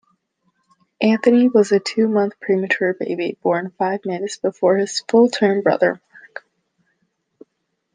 Anthony was a two-month premature baby born five minutes before his full-term brother Mark.